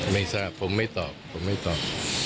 ไม่ทราบผมไม่ตอบ